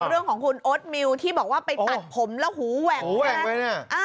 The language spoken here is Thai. เรื่องของคุณโอ๊ตมิวที่บอกว่าไปตัดผมแล้วหูแหว่งใช่ไหม